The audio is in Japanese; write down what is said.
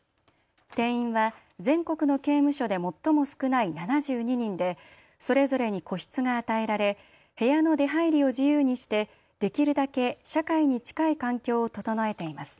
定員は全国の刑務所で最も少ない７２人でそれぞれに個室が与えられ部屋の出はいりを自由にしてできるだけ社会に近い環境を整えています。